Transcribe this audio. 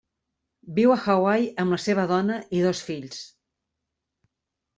Viu a Hawaii amb la seva dona i dos fills.